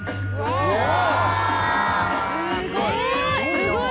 すごい！